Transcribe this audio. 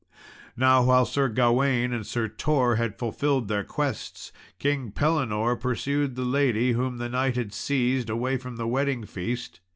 Now while Sir Gawain and Sir Tor had fulfilled their quests, King Pellinore pursued the lady whom the knight had seized away from the wedding feast.